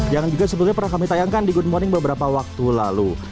yang juga sebetulnya pernah kami tayangkan di good morning beberapa waktu lalu